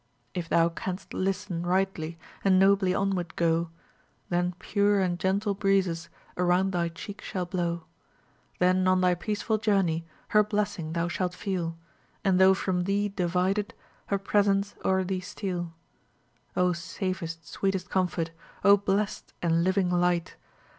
If thou canst listen rightly, And nobly onward go, Then pure and gentle breezes Around thy cheek shall blow. Then on thy peaceful journey Her blessing thou shalt feel, And though from thee divided, Her presence o'er thee steal. O safest, sweetest comfort! O blest and living light!